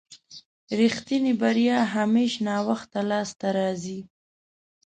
رښتينې بريا همېش ناوخته لاسته راځي.